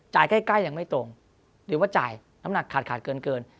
ใกล้ยังไม่ตรงหรือว่าจ่ายน้ำหนักขาดขาดเกิน